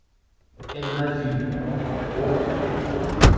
Elle m’a vu… –––––– Haut.